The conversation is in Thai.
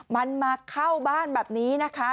มันมาเข้าบ้านแบบนี้นะคะ